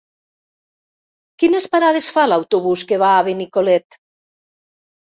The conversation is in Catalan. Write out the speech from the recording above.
Quines parades fa l'autobús que va a Benicolet?